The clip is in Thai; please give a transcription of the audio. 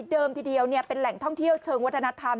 ทีเดียวเป็นแหล่งท่องเที่ยวเชิงวัฒนธรรม